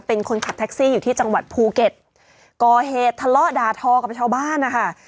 เป็นคนขับแท็กซี่อยู่ที่จังหวัดภูเก็ตก่อเหตุทะเลาะด่าทอกับชาวบ้านนะคะ